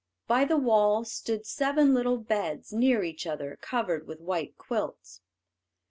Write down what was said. By the wall stood seven little beds, near each other, covered with white quilts.